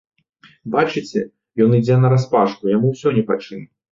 Бачыце, ён ідзе нараспашку, яму ўсё ні па чым.